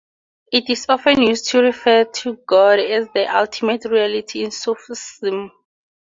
It is often used to refer to God as the Ultimate Reality in Sufism.